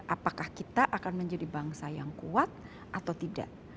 apakah kita akan menjadi bangsa yang kuat atau tidak